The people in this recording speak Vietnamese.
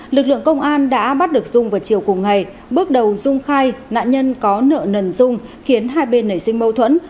lực lượng công an đã bắt được dung vào chiều cùng ngày bước đầu dung khai nạn nhân có nợ nần dung khiến hai bên nảy sinh mâu thuẫn